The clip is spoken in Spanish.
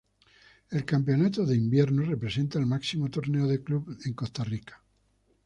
El campeonato de Invierno representa el máximo torneo de clubes en Costa Rica.